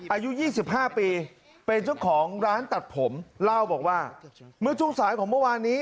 อายุ๒๕ปีเป็นเจ้าของร้านตัดผมเล่าบอกว่าเมื่อช่วงสายของเมื่อวานนี้